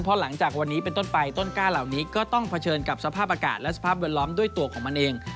เพราะหลังจากวันนี้เป็นต้นไปต้นกล้าเหล่านี้ก็ต้องเผชิญกับสภาพอากาศและสภาพแวดล้อมด้วยตัวของมันเอง